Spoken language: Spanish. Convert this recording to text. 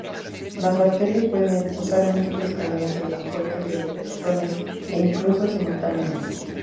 Las bacterias pueden usar múltiples cadenas de transporte de electrones, e incluso simultáneamente.